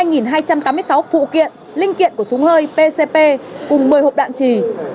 linh phụ kiện linh kiện của súng hơi pcp cùng một mươi hộp đạn trì